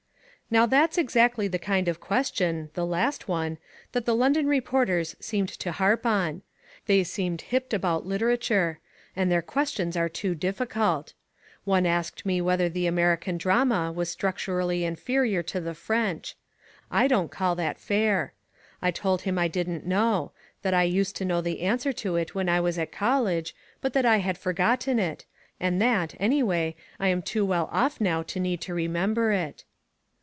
Now that's exactly the kind of question, the last one, that the London reporters seem to harp on. They seemed hipped about literature; and their questions are too difficult. One asked me whether the American drama was structurally inferior to the French. I don't call that fair. I told him I didn't know; that I used to know the answer to it when I was at college, but that I had forgotten it, and that, anyway, I am too well off now to need to remember it.